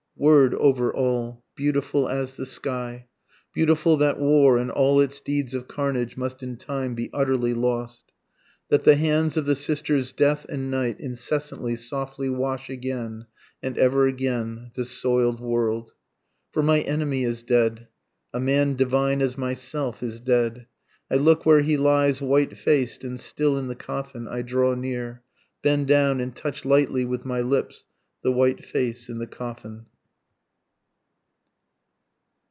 Word over all, beautiful as the sky, Beautiful that war and all its deeds of carnage must in time be utterly lost, That the hands of the sisters Death and Night incessantly softly wash again, and ever again, this soil'd world; For my enemy is dead, a man divine as myself is dead, I look where he lies white faced and still in the coffin I draw near, Bend down and touch lightly with my lips the white face in the coffin.